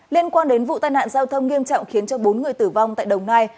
liên quan đến vụ tai nạn giao thông nghiêm trọng khiến cho bốn người tử vong tại đồng nai